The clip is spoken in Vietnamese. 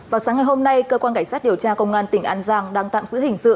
vào sáng ngày hôm nay cơ quan cảnh sát điều tra công an tỉnh an giang đang tạm giữ hình sự